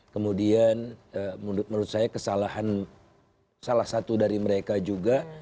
kemudian menurut saya kesalahan salah satu dari mereka juga